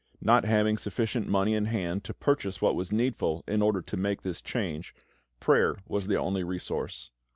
Not having sufficient money in hand to purchase what was needful in order to make this change, prayer was the only resource.